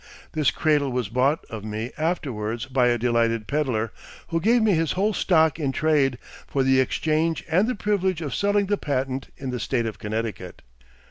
This cradle was bought of me afterwards by a delighted peddler, who gave me his 'whole stock in trade' for the exchange and the privilege of selling the patent in the State of Connecticut."